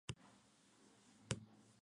Pertenecen al sello discográfico Pony Canyon.